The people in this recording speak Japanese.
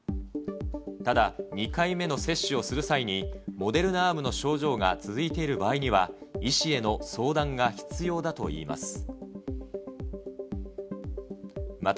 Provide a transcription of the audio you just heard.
ただ、２回目の接種をする際に、モデルナアームの症状が続いている場合には、医師への相談が必要だといいます。